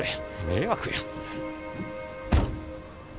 迷惑や。